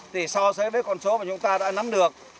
thì so sánh với con số mà chúng ta đã nắm được